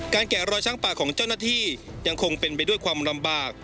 แกะรอยช้างป่าของเจ้าหน้าที่ยังคงเป็นไปด้วยความลำบาก